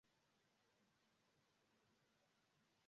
Sed islamo estis senĉese agnoskata kiel ŝtata religio.